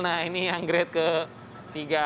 nah ini yang grade ketiga